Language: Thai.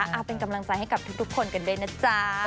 เอาเป็นกำลังใจให้กับทุกคนกันด้วยนะจ๊ะ